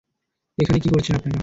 এখানে কী করছেন আপনারা?